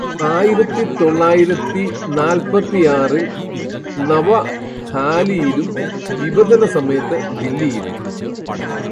ആയിരത്തി തൊള്ളായിരത്തി നാല്പത്തിയാറിൽ നവഖാലിയിലും വിഭജനസമയത്ത് ദില്ലിയിലും